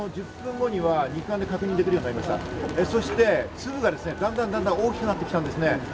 粒がだんだん大きくなってきたんですね。